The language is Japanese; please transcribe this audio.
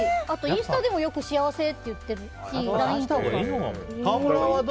あと、インスタでもよく幸せって言ってるし。